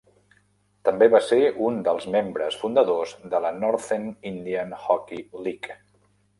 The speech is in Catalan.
També va ser un dels membres fundadors de la Northern Indian Hockey League.